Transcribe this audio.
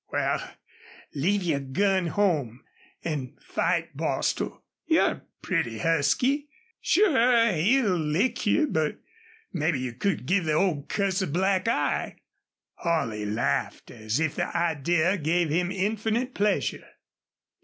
"Wall leave your gun home, an' fight Bostil. You're pretty husky. Sure he'll lick you, but mebbe you could give the old cuss a black eye." Holley laughed as if the idea gave him infinite pleasure.